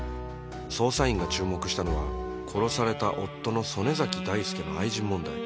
捜査員が注目したのは殺された夫の曽根崎大輔の愛人問題